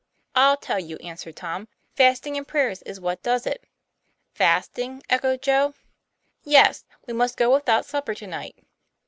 "I'll tell you," answered Tom. 'Fasting and prayers is what does it." "Fasting?" echoed Joe. "Yes; w r e must go without supper to night."